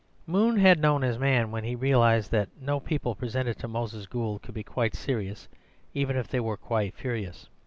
Moon had known his man when he realized that no people presented to Moses Gould could be quite serious, even if they were quite furious.